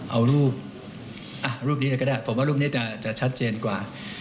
เอารูปรูปนี้เลยก็ได้ผมว่ารูปนี้จะชัดเจนกว่า